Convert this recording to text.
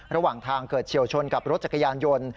ระหว่างทางเกิดเฉียวชนกับรถจักรยานยนต์